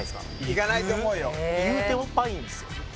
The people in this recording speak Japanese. いかないと思うよいうてもパインですよ